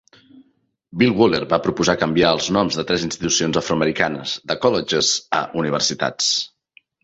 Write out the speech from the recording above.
Bill Waller va proposar canviar els noms de tres institucions afroamericanes de "colleges" a "universitats".